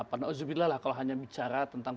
alhamdulillah kalau hanya bicara tentang